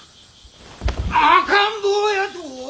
赤ん坊やと！？